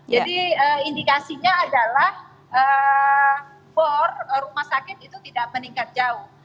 jadi indikasinya adalah for rumah sakit itu tidak meningkat jauh